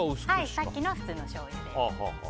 さっきのは普通のしょうゆです。